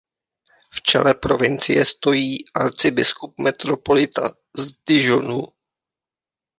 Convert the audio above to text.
V čele provincie stojí "arcibiskup–metropolita z Dijonu".